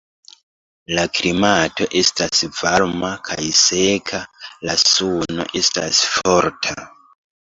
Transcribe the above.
La klimato estas varma kaj seka; la suno estas forta.